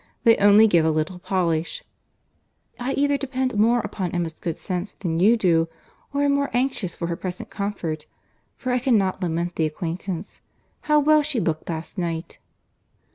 —They only give a little polish." "I either depend more upon Emma's good sense than you do, or am more anxious for her present comfort; for I cannot lament the acquaintance. How well she looked last night!"